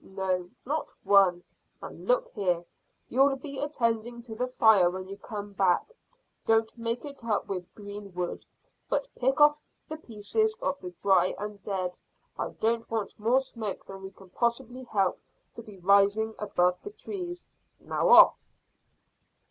"No, not one. And look here; you'll be attending to the fire when you come back; don't make it up with green wood, but pick up the pieces of the dry and dead. I don't want more smoke than we can possibly help to be rising up above the trees. Now: off!"